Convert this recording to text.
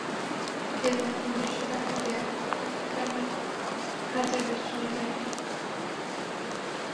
সেদিন এমন দৃশ্য দেখা যায় আরও কয়েকটি প্রাণীর খাঁচার বেষ্টনীর বাইরে।